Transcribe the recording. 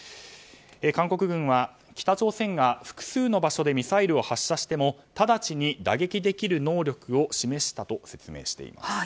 韓国軍は北朝鮮が複数の場所でミサイルを発射してもただちに打撃できる能力を示したと説明しています。